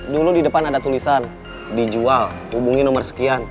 dulu di depan ada tulisan dijual hubungi nomor sekian